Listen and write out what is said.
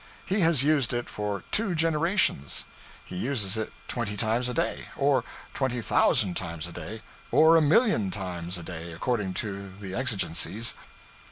He has used it for two generations. He uses it twenty times a day, or twenty thousand times a day; or a million times a day according to the exigencies.